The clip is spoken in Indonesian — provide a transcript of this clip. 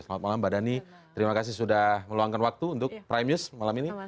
selamat malam mbak dhani terima kasih sudah meluangkan waktu untuk prime news malam ini